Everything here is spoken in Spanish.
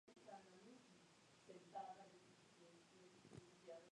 Continuó como controlador en las misiones de Skylab y el Proyecto de pruebas Apolo-Soyuz.